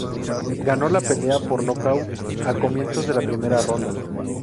Ganó la pelea por nocaut a comienzos de la primera ronda.